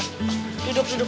duduk duduk duduk